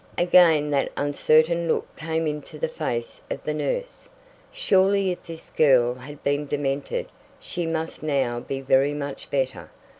Again that uncertain look came into the face of the nurse. Surely if this girl had been demented she must now be very much better.